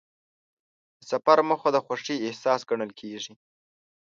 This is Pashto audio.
د سفر موخه د خوښۍ احساس ګڼل کېږي.